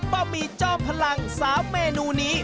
บ้าบีเจ้าพลัง๓เมนูนี้